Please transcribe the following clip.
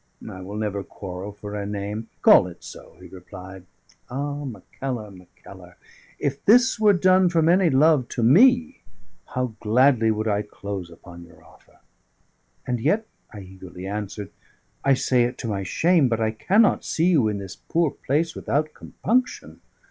"I will never quarrel for a name. Call it so," he replied. "Ah! Mackellar, Mackellar, if this were done from any love to me, how gladly would I close upon your offer!" "And yet," I eagerly answered "I say it to my shame, but I cannot see you in this poor place without compunction.